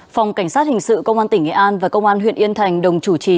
phòng cảnh sát hình sự công an tỉnh nghệ an và công an huyện yên thành đồng chủ trì